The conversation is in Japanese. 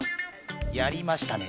やりましたね？